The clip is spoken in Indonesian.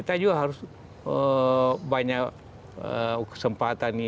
bagus terus cabut lagi